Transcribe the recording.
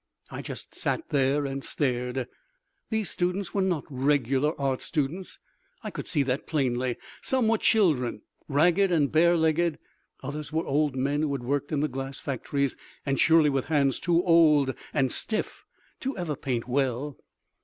I just sat there and stared. These students were not regular art students, I could see that plainly. Some were children, ragged and barelegged, others were old men who worked in the glass factories, and surely with hands too old and stiff to ever paint well.